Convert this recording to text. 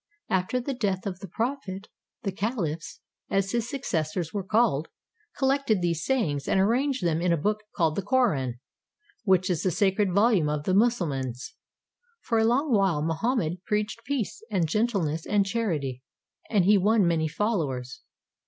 After the death of the prophet, the caHfs, as his successors were called, collected these sayings and arranged them in a book called the Koran, which is the sacred volume of the Mussulmans. For a long while, Mohammed preached peace and gentleness and charity, and he won many followers.